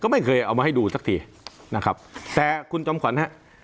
ไม่เคยเอามาให้ดูสักทีนะครับแต่คุณจอมขวัญฮะ